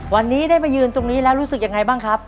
วันนี้ได้มายืนตรงนี้แล้วรู้สึกยังไงบ้างครับ